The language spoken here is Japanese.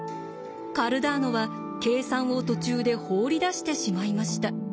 カルダーノは計算を途中で放り出してしまいました。